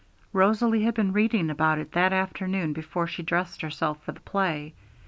Rosalie had been reading about it that afternoon before she dressed herself for the play.